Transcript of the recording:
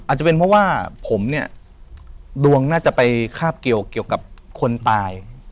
อาจจะเป็นเพราะว่าผมเนี่ยดวงน่าจะไปคาบเกี่ยวกับคนตาย